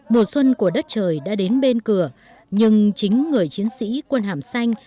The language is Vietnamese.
mùa xuân của đất trời đã đến bên cửa nhưng chính người chiến sĩ quân hàm xanh